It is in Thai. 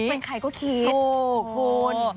ไม่ใครก็คิดถูกพูด